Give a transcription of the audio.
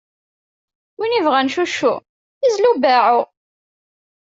Win ibɣan cuccu, izlu beɛɛu!